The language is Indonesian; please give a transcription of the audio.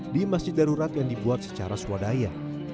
di masjid darurat yang dibuat secara swadaya